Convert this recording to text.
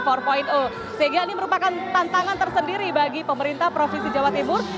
sehingga ini merupakan tantangan tersendiri bagi pemerintah provinsi jawa timur